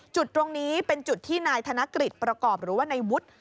จุดตรงนี้เป็นจุดที่นายธนกฤษประกอบหรือว่าในวุฒิ